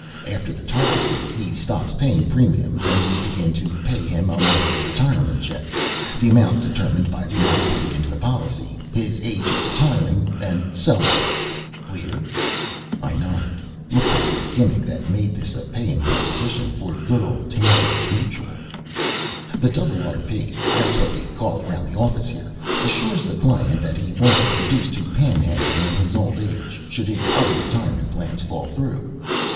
After the Target Date, he stops paying premiums, and we begin to pay him a monthly retirement check, the amount determined by the amount paid into the policy, his age at retiring, and so on. Clear?" I nodded, looking for the gimmick that made this a paying proposition for good old Tangiers Mutual. "The Double R P that's what we call it around the office here assures the client that he won't be reduced to panhandling in his old age, should his other retirement plans fall through.